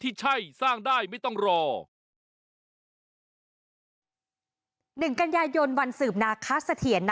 ที่มีการรวมรันดึกถึงการเสียสละชีวิตทุ่มเทจิตวิญญาณในการอนุรักษ์ทรัพยากรธรรมชาติและสิ่งแวดล้อม